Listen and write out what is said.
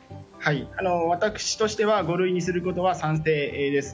私としては五類にすることは賛成です。